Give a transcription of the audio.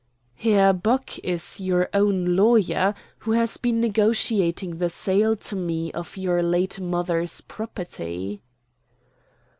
"Herr Bock is your own lawyer, who has been negotiating the sale to me of your late mother's property."